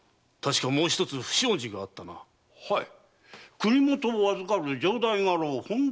国許を預かる城代家老・本多